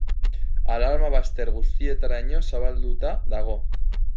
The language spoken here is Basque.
Alarma bazter guztietaraino zabalduta dago.